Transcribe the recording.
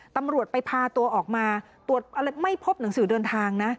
ตำรวจไปพาตัวออกมาตรวจอะไรไม่พบหนังสือเดินทางนะ